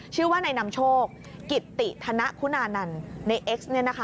ชื่อว่านายนำโชคกิตติธนคุณานันต์ในเอ็กซ์